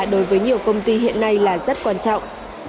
đối với nhiều công ty hiện nay là rất quan trọng